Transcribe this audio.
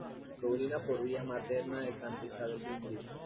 Sobrina por vía materna de Santa Isabel de Hungría.